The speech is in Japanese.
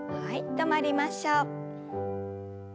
止まりましょう。